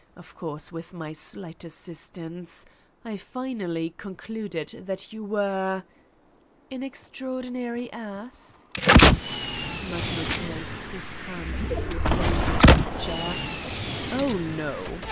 of course with my slight assistance ... I finally concluded that you were ..." "An extraordinary ass?" 219 Satan's Diary Magnus raised his hand is consoling gesture : "Oh, no!